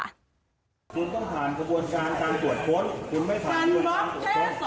คุณต้องผ่านกรรมการการตรวจพนที่